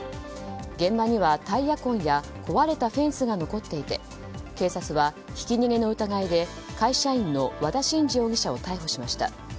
現場には、タイヤ痕や壊れたフェンスが残っていて警察はひき逃げの疑いで会社員の和田真二容疑者を逮捕しました。